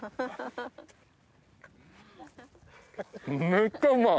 めっちゃうまい！